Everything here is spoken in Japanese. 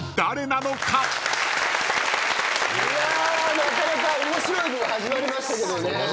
いやなかなか面白い部が始まりましたけどね。